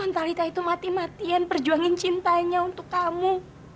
talita itu mati matian perjuangin cintanya untuk kamu